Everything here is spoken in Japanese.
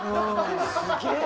すげえ！